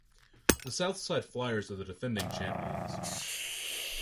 The Southside Flyers are the defending champions.